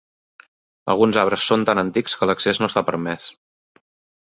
Alguns arbres són tan antics que l'accés no està permès.